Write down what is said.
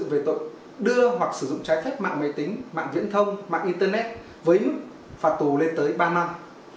về tội đưa hoặc sử dụng trái phép mạng máy tính mạng viễn thông mạng internet với mức phạt tù lên tới ba năm